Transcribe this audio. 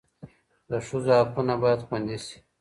د ښځو حقونه باید خوندي سي.